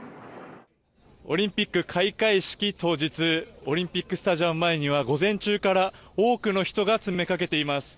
オリンピック開会式当日オリンピックスタジアム前には午前中から多くの人が詰めかけています。